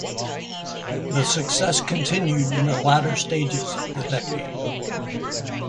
The success continued in the latter stages of the decade.